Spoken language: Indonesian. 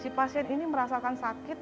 si pasien ini merasakan sakit